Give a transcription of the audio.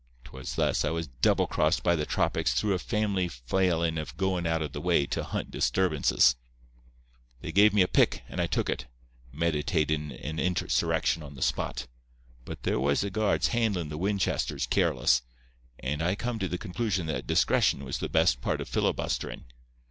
"'Twas thus I was double crossed by the tropics through a family failin' of goin' out of the way to hunt disturbances. "They gave me a pick, and I took it, meditatin' an insurrection on the spot; but there was the guards handlin' the Winchesters careless, and I come to the conclusion that discretion was the best part of filibusterin'.